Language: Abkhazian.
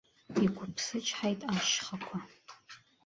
Иқәыԥсычҳаит ашьхақәа.